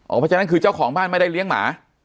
เพราะฉะนั้นคือเจ้าของบ้านไม่ได้เลี้ยงหมา